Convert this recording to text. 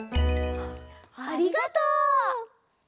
ありがとう！